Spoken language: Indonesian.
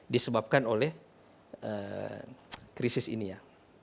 disebabkan oleh krisis ini ya